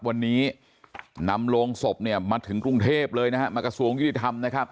วันนี้นำโรงศพเนี่ยมาถึงกรุงเทพเลยนะฮะมากระทรวงยุติธรรมนะครับ